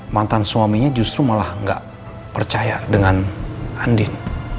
mantan suaminya justru malah gak percaya dengan andin